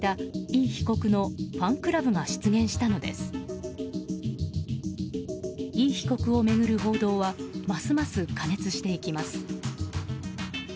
イ被告を巡る報道はますます過熱していきます。